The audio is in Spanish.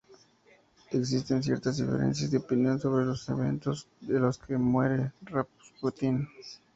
Existen ciertas diferencias de opinión sobre los eventos en los que muere Rasputin.